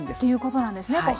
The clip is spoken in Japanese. ということなんですね。